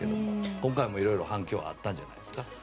今回もいろいろ反響があったんじゃないですか。